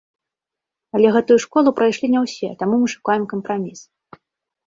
Але гэтую школу прайшлі не ўсе, таму мы шукаем кампраміс.